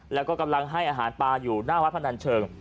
แล้วก็กำลังให้อาหารปลาอยู่หน้าวัดพนันเชิง